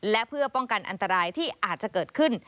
และเพื่อป้องกันอันตรายที่อาจจะเกิดขึ้น